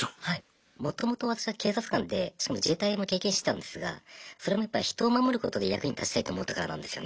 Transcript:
もともと私は警察官でしかも自衛隊も経験してたんですがそれもやっぱ人を守ることで役に立ちたいと思ったからなんですよね。